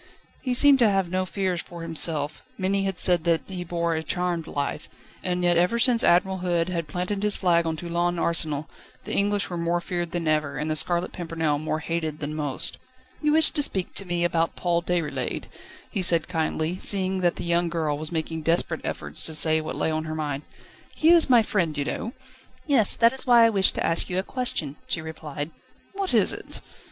He seemed to have no fears for himself; many had said that he bore a charmed life; and yet ever since Admiral Hood had planted his flag on Toulon Arsenal, the English were more feared than ever, and The Scarlet Pimpernel more hated than most. "You wished to speak to me about Paul Déroulède," he said kindly, seeing that the young girl was making desperate efforts to say what lay on her mind. "He is my friend, you know." "Yes; that is why I wished to ask you a question," she replied. "What is it?"